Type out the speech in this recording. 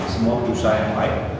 semua perusahaan yang baik